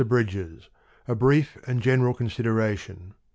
BRIDGES ; A BRIEF AND GENERAL CON SIDERATION.